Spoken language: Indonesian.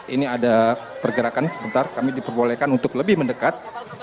ini ada pergerakan sebentar kami diperbolehkan untuk lebih mendekat